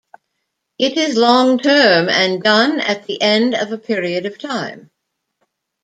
It is long term and done at the end of a period of time.